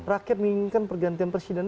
rakyat menginginkan pergantian presiden